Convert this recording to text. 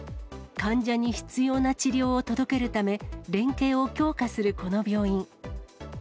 患者に必要な治療を届けるため、連携を強化するこの病院。